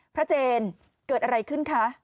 เจนเกิดอะไรขึ้นคะ